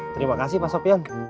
terima kasih pak sopyan